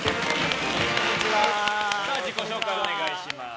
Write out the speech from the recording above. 自己紹介をお願いします。